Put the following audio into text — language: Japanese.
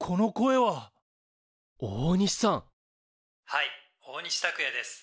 「はい大西卓哉です」。